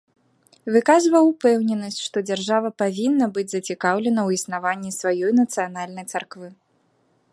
Выказваў упэўненасць, што дзяржава павінна быць зацікаўлена ў існаванні сваёй нацыянальнай царквы.